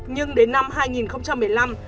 nhưng đến năm hai nghìn một mươi năm